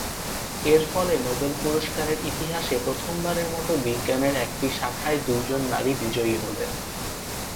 এর ফলে নোবেল পুরস্কারের ইতিহাসে প্রথমবারের মতো বিজ্ঞানের একটি শাখায় দুইজন নারী বিজয়ী হলেন।